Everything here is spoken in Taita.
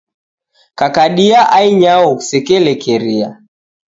Kakadia ainyao kusekelekeria.